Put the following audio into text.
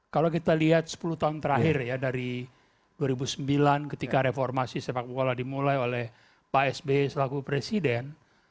kalau kita lihat sepuluh tahun terakhir ya dari dua ribu sembilan ketika reformasi sepak bola dimulai oleh pak sby selaku presiden